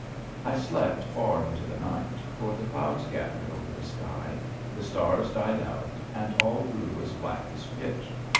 I slept far into the night, for the clouds gathered over the sky, the stars died out and all grew as black as pitch.